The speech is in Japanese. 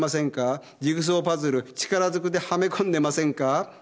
ジグソーパズル力ずくではめ込んでませんか。